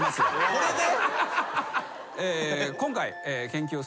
これで？